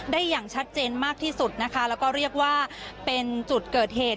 อย่างชัดเจนมากที่สุดนะคะแล้วก็เรียกว่าเป็นจุดเกิดเหตุ